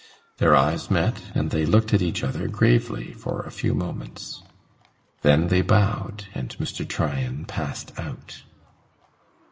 Their eyes met, and they looked at each other gravely for a few moments. Then they bowed, and Mr. Tryan passed out.